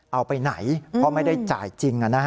เอาไปไหนเพราะไม่ได้จ่ายจริง